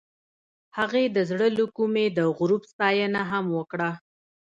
هغې د زړه له کومې د غروب ستاینه هم وکړه.